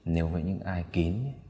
nếu với những ai kín